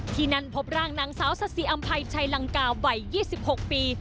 ที่นั่นพบร่างนางสาวสัสสิอำภัยชัยลังกาวัย๒๖ปี